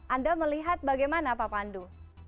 anda melihat bagaimana pak pandu